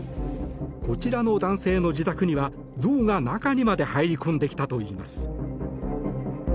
こちらの男性の自宅にはゾウが中にまで入り込んできたといいます。